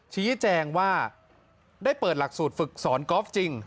ชี้แจงว่าได้เปิดหลักสูตรฝึกสอนกอล์ฟจริง